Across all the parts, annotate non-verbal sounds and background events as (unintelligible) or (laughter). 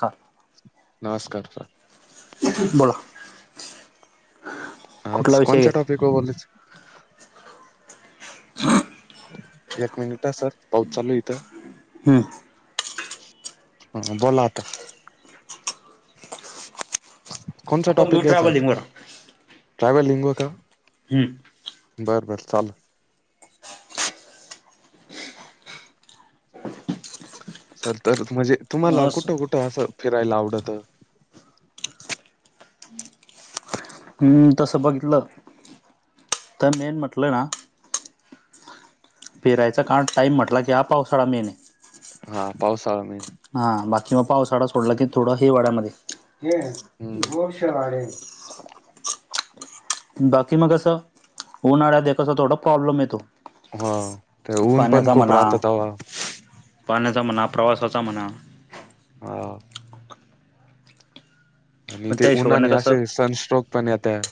हा. नमस्कार सर. बोला. कुठला आाज विषय घ्या कोणच्या टॉपिक व बोलायच. हा. एक मिनिट आहे सर पाऊस चालू इथं हम. ह बोला आता. कोणसा आपण घेऊ टॉपिक घ्यायचा आज ट्रॅव्हलिंगवर ट्रॅव्हलिंग व का हम. बर बरं चालल. सर तर म्हणजे तुम्हाला अस कुठं कुठं असं फिरायला आवडत. हम्म तसं बघितलं तर मेन म्हटलं ना. फिरायचां काण टाईम म्हटला की हा पावसाळा मेन आहे. हा पावसाळा मेन. हा बाकी मग पावसाळाा सोडला की थोड हिवाळ्यामध्ये हम्म ह बाकी मग कसं उन्हाळ्यात कसं थोडा प्रॉब्लेम येतो. हा ते ऊन पण पाण्याचा खूप म्हणा राहत तवा. पाण्याचा म्हणा प्रवासाचा म्हणा. हो. आणि ते त्या हिशोबाने उन्हानी कसं असे सनस्ट्रोक पण येतय.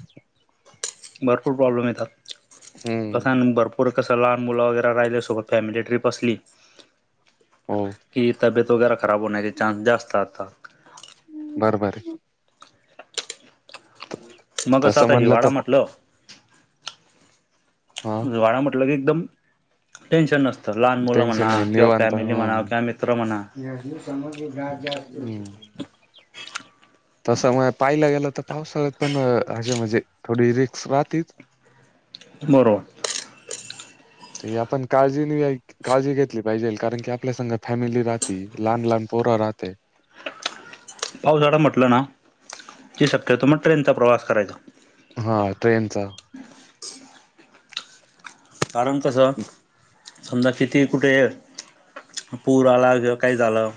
भरपूर प्रॉब्लेम येतात हम्म लसन भरपूर पर कसं लहान मुलं वगैरे राहिल्यासोबत फॅमिली ट्रिप असली. हो की तब्बेत वगैरे खराब होण्याचे चान्स जास्त असतात. बरोबर ह (inaudible) मग कसं आता हिवाळा म्हटलं. हा हिवाळा म्हटलं की एकदम टेन्शन नसतं लहान मुलं टेन्शन म्हणा नाही किंवा निवांत हा फॅमिली म्हणा किंवा हम्म मित्र म्हणा ल (inaudible) तसमुळे पाहिला गेलं तर पावसाळ्यात पण हजे म्हणजे थोडी रिक्स राहतीच. बरोबर ते आपण काळजी नाही. काळजी घेतली पाहिजे कारण की आपल्या संग फॅमिली राहती लहान लहान पोरा राहते. पावसाळा म्हटलं ना की शक्यतो मग ट्रेनचा प्रवास करायचा हा ट्रेनचा कारण कसं समजा किती कुठे पूर आला किंवा काही झालं.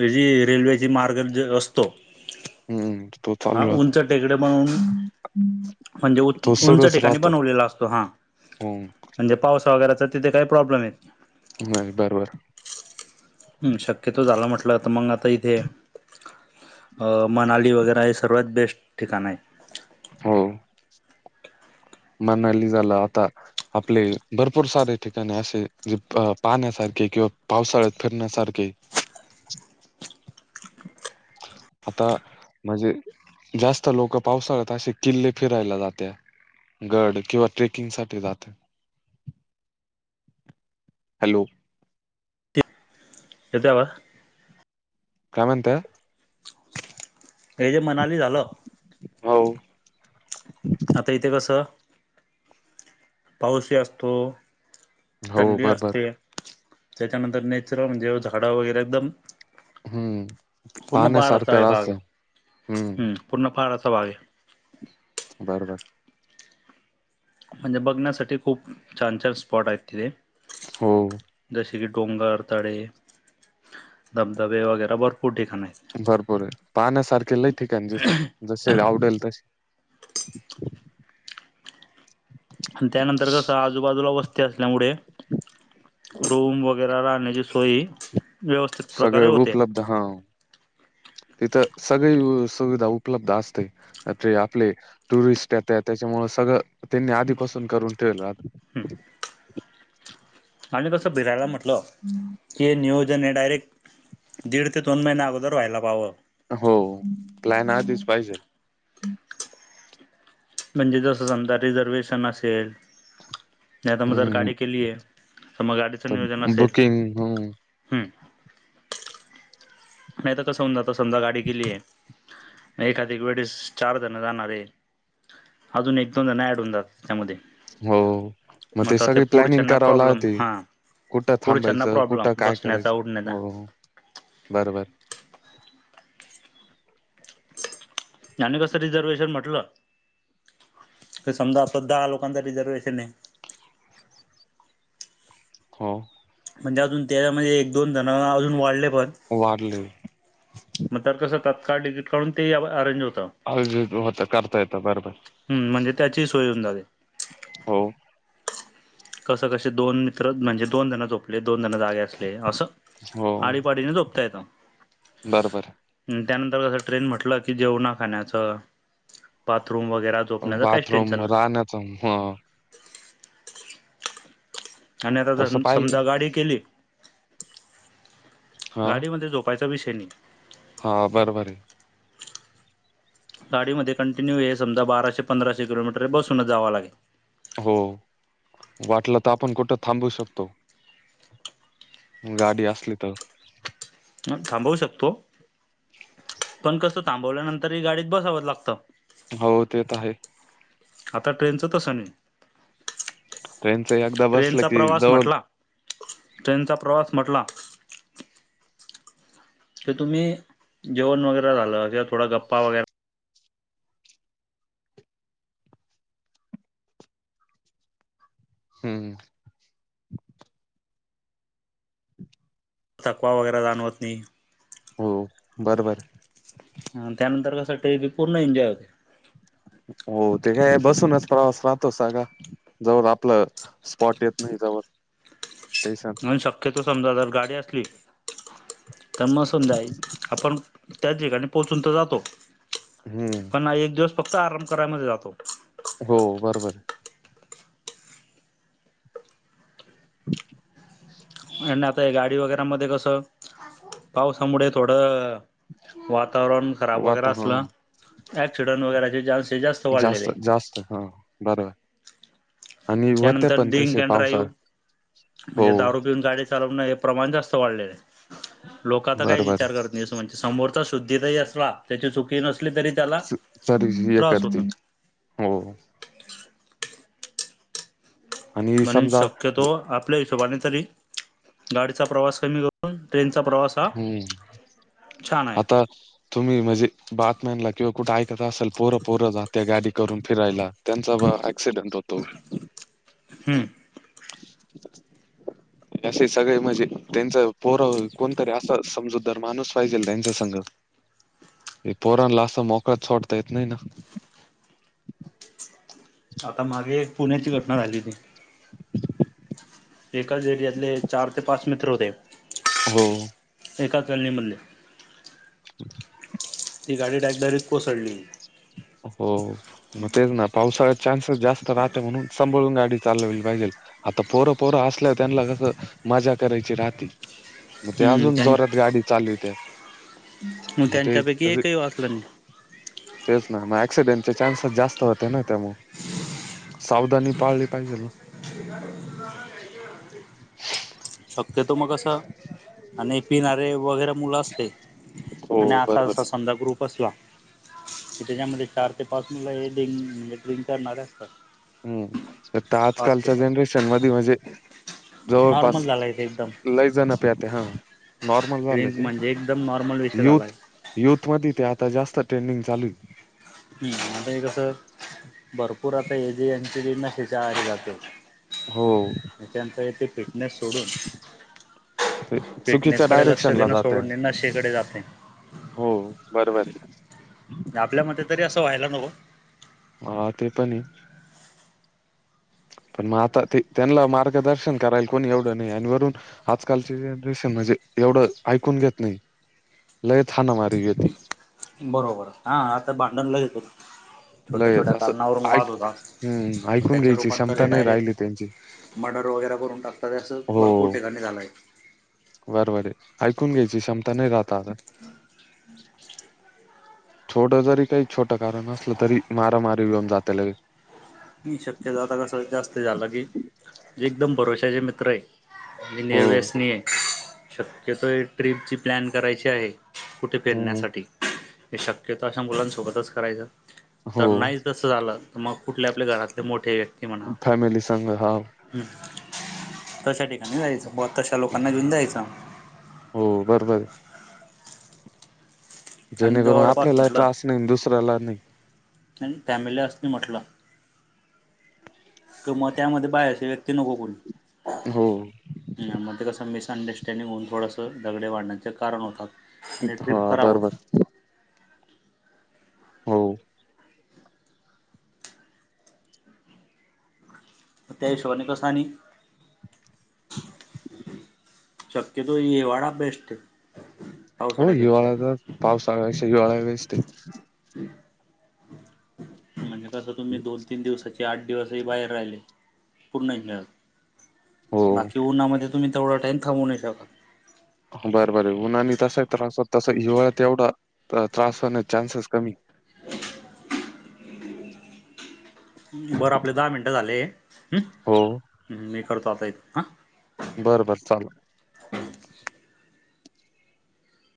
ह जी रेल्वेची मार्ग जो असतो हम्म तो हा चालू राहतो उंच टेकडे म्हणून म्हणजे तो उंच सुरूच ठिकाणी राहतो. बनवलेला असतो हां हम्म म्हणजे पाऊस वगैरच तिथे काही प्रॉब्लेम येत नाही. नाही बरोबर हम् शक्यतो झाला म्हटलंता मग आता इथे मनाली वगैरे हे सर्वात बेस्ट ठिकाण आहे. हो मणाली झाला आता. आपले भरपूर सारे ठिकाणे असे जे पाण्यासारखे किंवा पावसाळ्यात. फिरण्यासारखे आता म्हणजे जास्त लोक पावसाळ्यात असे किल्ले फिरायला जातात. गड किंवा ट्रेकिंग साठी जाते. हॅलो येतोय आवाज? काय म्हणता. त्याज मनाली झालं. हो आता इथे कस पाऊसही असतो हो थंडी बरोबर असते त्याच्यानंतर नॅचरल म्हणजे झाडं वगैरे एकदम हम्म पूर्ण पहाडाचा पाहण्यासारखं आहे भाग राहतं. हम्म पूर्ण पहाडाचा भाग आहे. बरोबर म्हणजे बघण्यासाठी खूप छान छान स्पॉट आहेत तिथे. हो जसे की डोंगर तळे धबधबे वगैरे भरपूर ठिकाण आहेत. भरपूर आहे पाहण्यासारखे लय ठिकाण ज जसे आवडेल तसे आणि त्यानंतर कसं आजूबाजूला वस्ती असल्यामुळे रूम वगैरे राहण्याची सोय. व्यवस्थित सगळे प्रकारे होते उपलब्ध ह तिथं सगळी सुविधा उपलब्ध असते. ते आपले टुरिस्ट येतेत त्याच्यामुळ सगळं त्यांनी हं आधीपासून करून ठेवलं. आणि कसं भिरायला म्हटलं हे नियोजन हे डायरेक्ट दीड ते दोन महिने अगोदर व्हायला पाहावं. हो प्लॅन आधीच पाहिजे. म्हणजे जसं समजा रिझर्वेशन असेल. नाही आता मग जर हम्म गाडी केलीय तर मग गाडीचं तर नियोजन असेल बुकिंग हम्म हम्म. नाही तर कसं होऊ आता समजा गाडी गेली आहे. एखादी वेळेस चार जण जाणार आहे. अजून एक दोन जण ॲड होन जात त्यामध्ये. हो मग ते सगळी प्लॅनिंग कराव प्रॉब्लेम लागते. हा कुठं पुढच्यांना थांबायचं कुठं प्रॉब्लेम काय बसण्याचा करायचं उडण्याचा हो बरबर.. त्याने कसं रिझर्ववेशन म्हटलं. तर समजा आपता दहा लोकांचा रिझर्वेशन आहे. हो. म्हणजे अजून त्या म्हणजे एक दोन जण अजून वाढले पण. वाढले. मग तर कसं तत्काळ टडिकीट काढून ते अरेंज होतं. अ होता करता येत बरोबर हम्म म्हणजे त्याची सोय होऊन जाते हो. कसं कसे दोन मित्र म्हणजे दोन जण झोपले दोन जण जागे असले असं. हो आडीपाडीने झोपता येत. बरोबर. त्यानंतर कसं ट्रेन म्हटलं की जेवणा खाण्याचं बाथरूम वगैर. बाथरूम राहण्यात. आणि आता तसं पाहिजे समजा गाडी केली. हा गाडीमध्ये झोपायचा विषे नाही. हा बरं बर आहे. गाडीमध्येध्ये कंटिन्यू हे समजा बाराे पंधराशे किलोमीटर बसूनच जावा लागल. हो वाटलं तर आपण कुठं थांबू शकतो. गाडी अससली तर. ह थांबवू शकतो पण कसं थांबवल्यानंतर गाडीत बसावत लागतं. हो तेच आहे. आता ट्रेनच तसं नाही ट्रेनच एकदा बसलं ट्रेनचा की प्रवास जवळ म्हटला. ट्रेनचा प्रवास म्हटला. क तुम्ही जेवण वगैरे झालं किं थोडा गप्पा वगैरे. हम. तथकवा वगैरे जाणवत नाही. हो बरबर. त्यानंतर कसंसाठीी पूर्ण एन्जॉय होते. हो ते काय बसूनच प्रवास राहतो सगा. जवळ आपलं स्पॉट येत नाही जवळ. स्टेशन म्हण शक्यतो समजा जर गाडी असली. तर मग समजा आपण त्या ठिकाणी पोहोचून तर जातो. हम्म पण एक दिवस फक्त आराम करायमध्ये जातो. हो बरोबर. आणि आता गाडी वगैरे मध्ये कसं. पावसामुळे थोडं वातावरण. खराब वगैे वाट हा असला क्सिडंट वगरेचे चान्स. जास्त जास्त हा बरोबर. आणि होते त्यानंतर पण डिंक तसे अँड पावसाळ ड्राईव्ह हो म्हणजे दारू पिऊन गाडी. प्रमाण जास्त वाढले लोक आता काही बरोबर विचार करत. म्हे समोरचा शुद्धी तही असला त्याची चुकी नसली तरी. त्याला तरी हे त्रास होतो करतील हो. आणि म्हणे समजा शक्यतो ज- आपल्या हिशोबाने तरी गाडीचा प्रवास कमी करत. न ट्रेनचा प्रवास हा हम्म छान आहे. (unintelligible) तुम्ही म्हणजे बातम्यांनला किंवा कुठे ऐकत असाल पोरं पोरं जात्या गाडी करून फिरायला. त्यांचा बा ॲक्सिडेंट होतो. हम. असे सगळे म्हणजे त्यांचा पोरा हो. कोणतरी असं समजूतदार माणूस पाहिजेल त्यांच्या संग पोरांला असं मोकाट सोडता येत नाही ना आता मागे एक पुण्याची घटना झाली होती एकाच एरियातले चार ते पाच मित्र होते हो एका कॅलनी मधले (inaudible) ती गाडी डा डायरेक्टर कोसळली हो मग तेच ना पावसाळ चान्सेस जास्त राहते म्हणून सांभाळून गाडी चालवली पाहिजेल आता पोरं पोरं असल्यावर त्यांनला कसं मजा करायची राहती मग ते हम्म अजून त्यां जोरात गाडी चालिवत्यात मग ते (unintelligible) तेच मग ऍक्सिडेंट चे चान्सेस जास्त होते ना त्यामु सावधानी पाळली पाहिजे ना (inaudible) शक्यतो मग कसं आणि पिणारे वगैरे मुलं असते आणि हो असा बरोबर असा आहे समजा ग्रुप असला क त्याच्यामध्ये चार ते पाच मुलं हे डि म्हणजे ड्रिंक करणारे असतात हम्म तर पाच ते आजकालच्या सात जनरेशन मध्ये म्हणजे नॉर्मल जवळपास झालाय ते एकदम लै जण पे ते हा नॉर्मल झालंय ड्रिंक ते म्हणजे एकदम नॉर्मल विषय झाला यूथ आहे यूथ मध्ये ते आता जास्त ट्रेंडिंग चालू आहे हम् आता हे कसं भरपूर आता ए जे यांची जी नशीे ची आआरी जाते हो त्यांचा इथे फिटनेस सोडून ते चुकीच्या फिटनेसकडे लक्ष डायरेक्शनला देणं जाते. सोडून नशेकडे जात ने हो बरोबरय आपल्यामध्ये तरी असं व्हायला नको हा ते पण आहे पण मग आता ते त्यांना मार्गदर्शन करायला कोणी एवढं नाही आणि वरून आजकालचे जनरेशन म्हणजे एवढं ऐकून घेत नाही लयच हाना मारी यती बरोबर हा आता भांडणला येत होत छोट्या लयच छोट्या असं कारणावरून वाद ऐक होता हम्म मग ऐकून त्याच्या घ्यायची रूपांतर क्षमता हे नाही राहिली त्यांची डायरेक्ट मर्डर वगैरे करून टाकतात असं भरपूर ठिकाणी झालंय बरोबराय ऐकून घ्यायची क्षमता नाही राहता आता छोडं जरी काही छोटं कारण असलं तरी मारामारी घेऊन जातेला मी शक्यता आता कसं जास्त झालं की जे एकदम भरोश्याचे मित्र आहे हो निर्व्यसनी आहे शक्यतो ट्रिपची प्लॅन करायची आहे कुठे हो फिरण्यासाठी हे शक्यत अशा मुलांसोबतच करायचं तर हो नाही झालं तर मग कुठल्या आपल्या घरातले मोठे व्यक्ती म्हणा फॅमिली संग हा ह् तशा ठिकाणी जायचं ब तशा लोकांना घेऊन जायचं हो बरोबरय आणि जेणेकरून जवळपास आपल्याला म्हटलं त्रास नाही दुसऱ्याला नाही आणि फॅमिली अस मी म्हटलं क मग त्यामध्ये बाहेरशी व्यक्ती नको कोण हो मग ते कसं मिसअंडरस्टँडिंग होऊन थोडंसं दगडे वाढण्याचें कारण होतात आणि हो ट्रिप खराब बरोबर होते. हो. त्या्याईस ब क सान शक्यतो येवाळाा बेस्ट आहे. हो पावसाळ्यापेक्षा हिवाळ्या तर पावसा आगक्ष हिवाळ्या वेस् आहे. म्हणजे कस तुम्ही आहे दोन तीन दिवसाची आठ दिवसही बाहेर राहिले पूर्ण हो बाकी उ्हामध्ये तुम्ही तेवढा टाईम थांबू नाही शका. बरं बरं उन्हानी तसा त्रास होत तसं हिवाळ्यात एवढा त्रास होण्या चान्सेस कमी बरं आपले दहा मिनटं झाले हम्. हो. मी करतो आता आहेत हां. बरं बरं चाल.